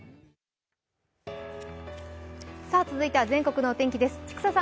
続いては全国のお天気です。